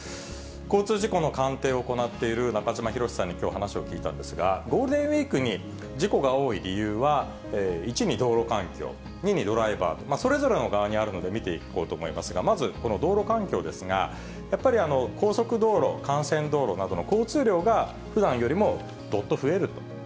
交通事故の鑑定を行っている中島博史さんにきょう話を聞いたんですが、ゴールデンウィークに事故が多い理由は、１に道路環境、２にドライバー、それぞれの側にあるので見ていこうと思いますが、まずこの道路環境ですが、やっぱり高速道路、幹線道路などの交通量がふだんよりもどっと増えると。